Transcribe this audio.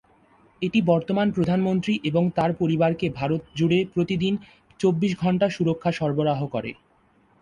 এটি বর্তমান প্রধানমন্ত্রী এবং তার পরিবারকে ভারত জুড়ে প্রতিদিন, চব্বিশ ঘন্টা সুরক্ষা সরবরাহ করে।